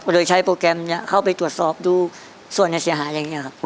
ก็เลยใช้โปรแกรมเนี่ยเข้าไปตรวจสอบดูส่วนแน่เสียหาอะไรอย่างเงี้ยครับ